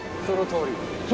そのとおり？